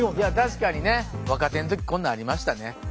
確かにね。若手の時こんなんありましたね。